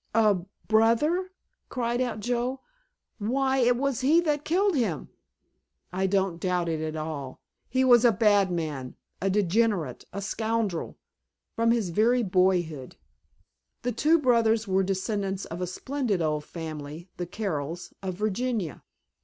"A brother?" cried out Joe; "why, it was he that killed him!" "I don't doubt it at all. He was a bad man; a degenerate, a scoundrel, from his very boyhood. The two brothers were descendants of a splendid old family, the Carrolls, of Virginia.